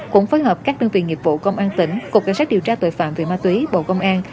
cũng phối hợp các đơn vị nghiệp vụ công an tỉnh cục cảnh sát điều tra tội phạm về ma túy bộ công an